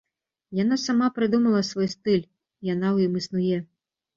Яна сама прыдумала свой стыль, яна ў ім існуе.